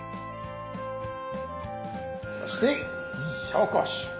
そして紹興酒！